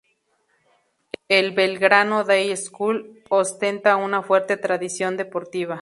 El Belgrano Day School ostenta una fuerte tradición deportiva.